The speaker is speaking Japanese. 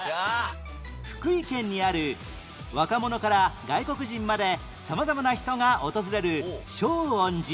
福井県にある若者から外国人まで様々な人が訪れる照恩寺